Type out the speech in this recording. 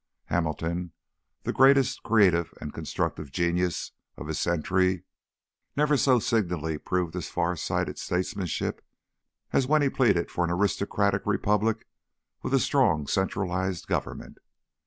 Hamilton, the greatest creative and constructive genius of his century, never so signally proved his far sighted statesmanship as when he pleaded for an aristocratic republic with a strong centralized government.